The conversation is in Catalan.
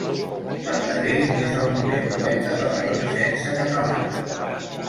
Verdaguer és el primer poeta de la Renaixença catalana.